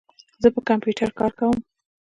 زه په کمپیوټر کار کوم.